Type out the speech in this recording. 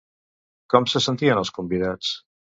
Com se sentien els convidats?